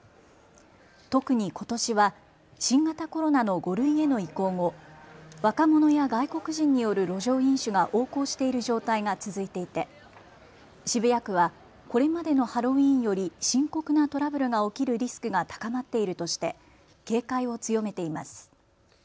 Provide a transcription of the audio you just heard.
特にことしは新型コロナの５類への移行後、若者や外国人による路上飲酒が横行している状態が続いていて渋谷区は、これまでのハロウィーンより深刻なトラブルが起きるリスクが高まっているとして警戒を強めています。